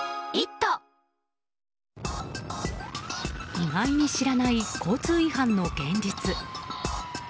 意外に知らない交通違反の現実。